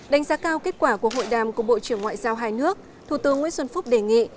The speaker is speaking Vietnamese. đánh giá cao kết quả của hội đàm của bộ trưởng ngoại giao hai nước thủ tướng nguyễn xuân phúc đề nghị